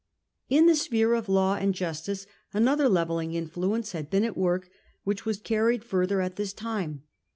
In the sphere of law and justice another levelling in fluence had been at work which was carried iTie level further at this time.